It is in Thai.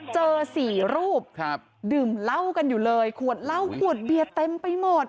สี่รูปครับดื่มเหล้ากันอยู่เลยขวดเหล้าขวดเบียร์เต็มไปหมด